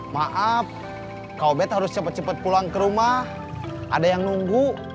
maaf kau bed harus cepat cepat pulang ke rumah ada yang nunggu